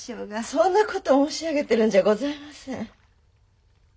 そんな事を申し上げてるんじゃございません。